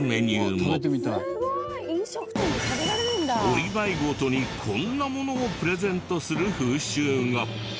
お祝い事にこんなものをプレゼントする風習が。